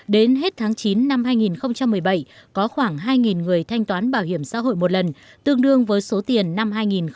đến hết tháng chín năm hai nghìn một mươi bảy có khoảng hai người thanh toán bảo hiểm xã hội một lần tương đương với số tiền năm hai nghìn một mươi bảy